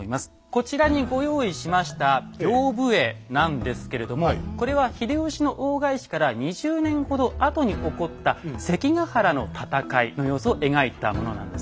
こちらにご用意しました屏風絵なんですけれどもこれは秀吉の大返しから２０年ほど後に起こった関ヶ原の戦いの様子を描いたものなんですね。